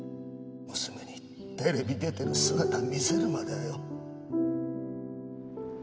娘にテレビ出てる姿見せるまではよ。